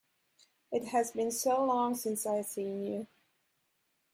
It has been so long since I have seen you!